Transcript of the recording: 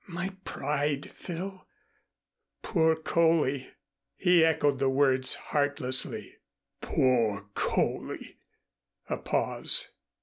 "My pride, Phil. Poor Coley!" He echoed the words heartlessly. "Poor Coley!" A pause.